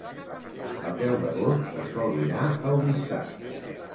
El deu d'agost na Sol irà a Oristà.